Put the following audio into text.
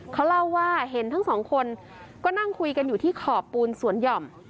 เขาเล่าว่าเห็นทั้งสองคนก็นั่งคุยกันอยู่ที่ขอบปูนสวนหย่อม